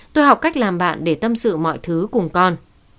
tôi học cách làm bạn để tâm sự mọi thứ cùng con